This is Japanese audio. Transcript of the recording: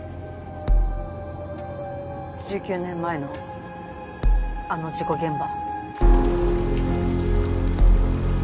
１９年前のあの事故現場。